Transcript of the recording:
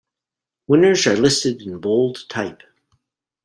Winners are listed in bold type.